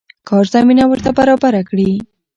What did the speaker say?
کار زمينه ورته برابره کړي.